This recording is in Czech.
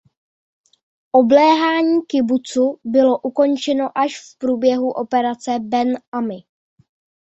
Obléhání kibucu bylo ukončeno až v průběhu Operace Ben Ami.